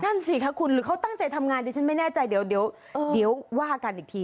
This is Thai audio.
นั่นสิคะคุณหรือเขาตั้งใจทำงานดิฉันไม่แน่ใจเดี๋ยวว่ากันอีกที